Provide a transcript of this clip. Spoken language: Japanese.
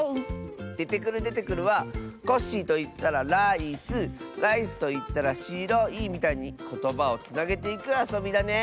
「デテクルデテクル」は「コッシーといったらライスライスといったらしろい」みたいにことばをつなげていくあそびだね！